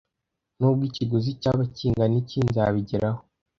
Nubwo ikiguzi cyaba kingana iki, nzabigeraho.